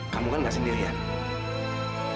kamu kan gak sendirian